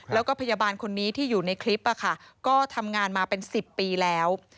แล้วก็พยาบาลคนนี้ที่อยู่ในคลิปก็ทำงานมาเป็น๑๐ปีแล้ว